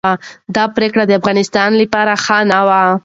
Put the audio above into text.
دا پریکړه د افغانستان لپاره ښه نه وه.